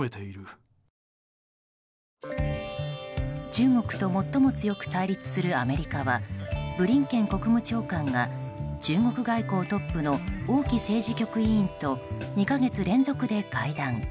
中国と最も強く対立するアメリカはブリンケン国務長官が中国外交トップの王毅政治局委員と２か月連続で会談。